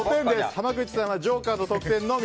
濱口さんはジョーカーの得点のみ。